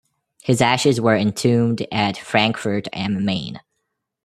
His ashes were entombed at Frankfurt-am-Main.